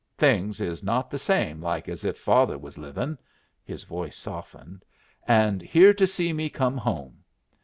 Things is not the same like as if father was livin' (his voice softened) and here to see me come home.